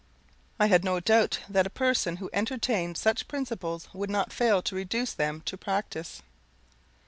I have no doubt that a person who entertained such principles would not fail to reduce them to practice.